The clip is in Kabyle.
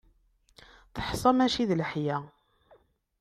Teḥsa mačči d leḥya.